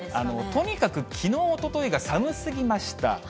とにかくきのう、おとといが寒すぎました。